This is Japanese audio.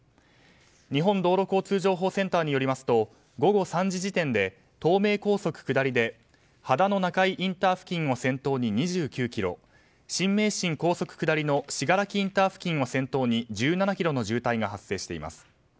日本道路交通情報センターによりますと午後３時時点で東名高速下りで秦野中井インター付近を先頭に２９ｋｍ新名神高速下りの信楽インター付近を先頭に１７ｋｍの渋滞が発生しています。